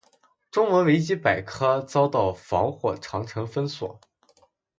中文维基百科遭到防火长城封锁。